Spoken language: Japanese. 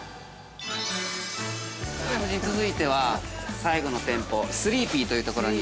◆夫人、続いては、最後の店舗、スリーピーというところに。